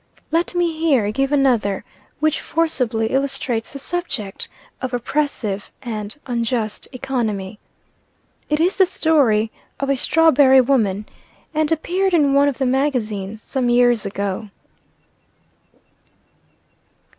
Let me here give another, which forcibly illustrates the subject of oppressive and unjust economy. It is the story of a "Strawberry Woman," and appeared in one of the magazines some years ago.